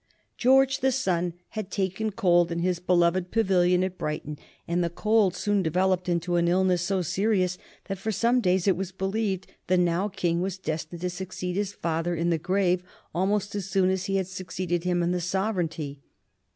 George, the son, had taken cold in his beloved pavilion at Brighton, and the cold soon developed into an illness so serious that for some days it was believed the now King was destined to succeed his father in the grave almost as soon as he had succeeded him in the sovereignty.